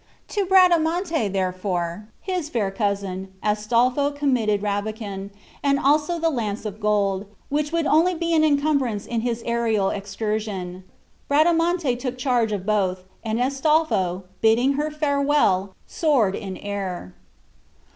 To Bradamante, therefore, his fair cousin, Astolpho committed Rabican, and also the lance of gold, which would only be an incumbrance in his aerial excursion. Bradamante took charge of both; and Astolpho, bidding her farewell, soared in air.